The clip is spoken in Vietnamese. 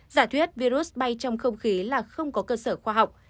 giả thuyết virus bay trong không khí là không có cơ sở khoa học